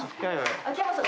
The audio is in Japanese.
秋山さん